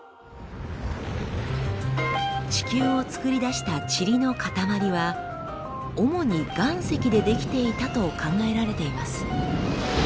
地球をつくり出したチリのかたまりは主に岩石で出来ていたと考えられています。